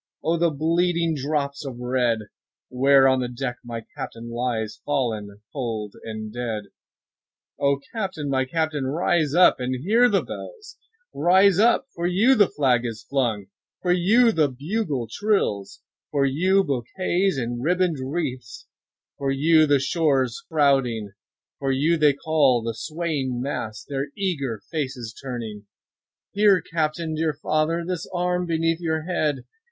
5 O the bleeding drops of red! Where on the deck my Captain lies, Fallen cold and dead. O Captain! my Captain! rise up and hear the bells; Rise up—for you the flag is flung—for you the bugle trills, 10 For you bouquets and ribbon'd wreaths—for you the shores crowding, For you they call, the swaying mass, their eager faces turning; Here, Captain! dear father! This arm beneath your head!